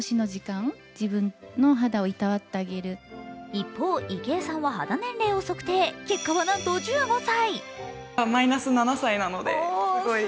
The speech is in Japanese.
一方、池江さんは肌年齢を測定、結果はなんと１５歳。